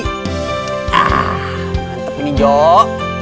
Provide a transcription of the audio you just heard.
mantep ini jok